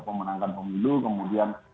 pemenangkan pemilu kemudian